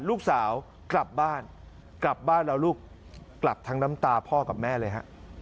ลูกสาวกลับบ้านกลับบ้านแล้วลูกกลับทั้งน้ำตาพ่อกับแม่เลยฮะ